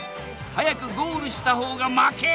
早くゴールした方が負け！